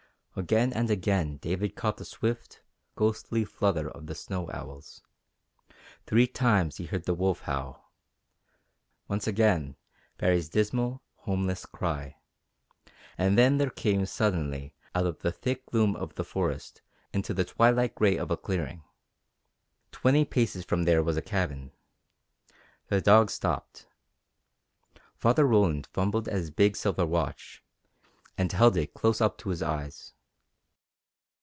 Again and again David caught the swift, ghostly flutter of the snow owls; three times he heard the wolf howl; once again Baree's dismal, homeless cry; and then they came suddenly out of the thick gloom of the forest into the twilight gray of a clearing. Twenty paces from them was a cabin. The dogs stopped. Father Roland fumbled at his big silver watch, and held it close up to his eyes.